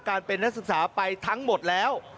เป็นนักศึกษาไปทั้งหมดแล้ว